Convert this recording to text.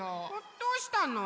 どうしたの？